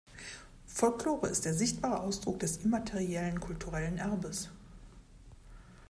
Folklore ist der sichtbare Ausdruck des immateriellen kulturellen Erbes.